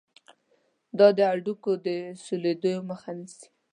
دا د هډوکو د سولیدلو مخه نیسي.